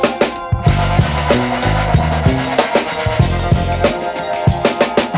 nggak ada yang denger